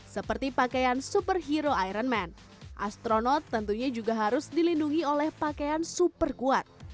seperti pakaian superhero iron man astronot tentunya juga harus dilindungi oleh pakaian super kuat